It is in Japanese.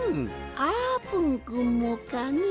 あーぷんくんもかね。